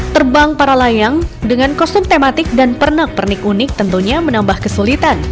terbang para layang dengan kostum tematik dan pernak pernik unik tentunya menambah kesulitan